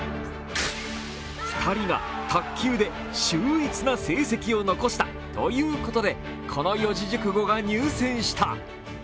２人が卓球で秀逸な成績を残したということでこの四字熟語が入選した。